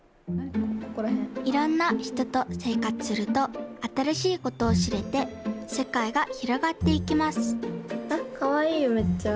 いろんなひととせいかつするとあたらしいことをしれてせかいがひろがっていきますあっかわいいよめっちゃ。